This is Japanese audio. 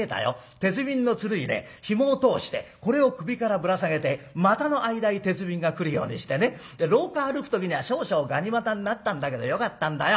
鉄瓶の弦にねひもを通してこれを首からぶら下げて股の間へ鉄瓶が来るようにしてね廊下歩く時には少々がに股になったんだけどよかったんだよ。